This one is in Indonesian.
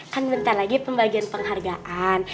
kan bentar lagi pembagian penghargaan